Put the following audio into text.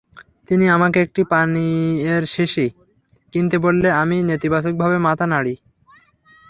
তিনি আমাকে একটি পানীয়ের শিশি কিনতে বললে আমি নেতিবাচকভাবে মাথা নাড়ি।